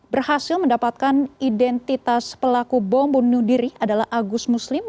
berhasil mendapatkan identitas pelaku bom bunuh diri adalah agus muslim